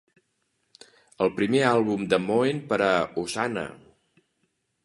El primer àlbum de Moen per a Hosanna!